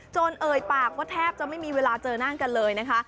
เอ่ยปากว่าแทบจะไม่มีเวลาเจอหน้ากันเลยนะคะ